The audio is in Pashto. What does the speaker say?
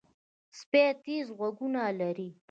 سپي تیز غوږونه لري.